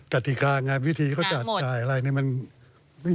กติกาไงวิธีมันจ่ายอะไรนึงมัน